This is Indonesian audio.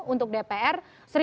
untuk dpr seribu dua ratus